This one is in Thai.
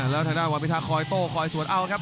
แล้วทางด้านวันพิทาคอยโต้คอยสวนเอาครับ